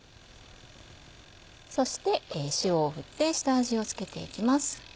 そして塩を振って下味を付けて行きます。